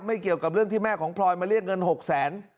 เกี่ยวกับเรื่องที่แม่ของพลอยมาเรียกเงิน๖แสน